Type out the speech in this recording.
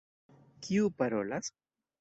Kiu parolas?